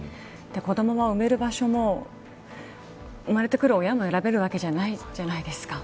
子どもは産める場所も生まれてくる親も選べるわけではないじゃないですか。